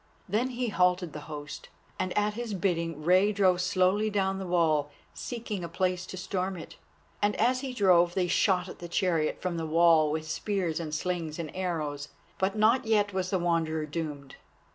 Then he halted the host, and at his bidding Rei drove slowly down the wall seeking a place to storm it, and as he drove they shot at the chariot from the wall with spears and slings and arrows. But not yet was the Wanderer doomed.